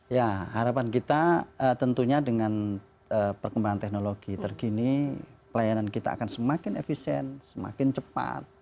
ya harapan kita tentunya dengan perkembangan teknologi terkini pelayanan kita akan semakin efisien semakin cepat